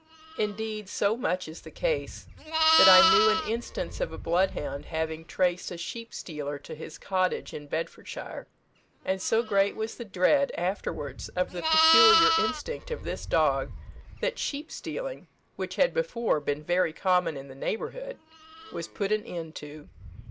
Indeed, so much is this the case, that I knew an instance of a bloodhound having traced a sheep stealer to his cottage in Bedfordshire; and so great was the dread afterwards of the peculiar instinct of this dog, that sheep stealing, which had before been very common in the neighbourhood, was put an end to.